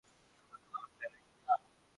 কথাটা মাথায় রেখো।